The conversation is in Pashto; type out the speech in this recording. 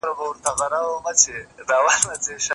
له زمري پاچا یې وکړله غوښتنه